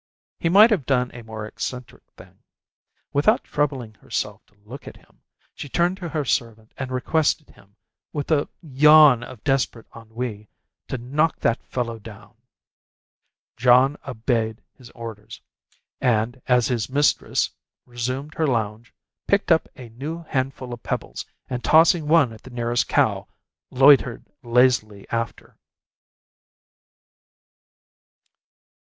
He might have done a more eccentric thing. Without troubling herself to look at him, she turned to her servant and requested him, with a yawn of desperate ennui, to knock that fellow down! John obeyed his orders; and, as his mistress resumed her lounge, picked up a new handful of pebbles, and tossing one at the nearest cow, loitered lazily after.